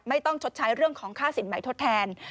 ไม่ต้องชดใช้เรื่องของค่าสินไหมทดแทน